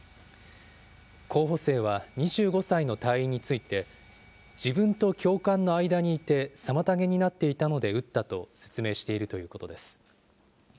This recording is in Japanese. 候補生は２５歳の隊員について、自分と教官の間にいて、妨げになっていたので撃ったと説明しているということです。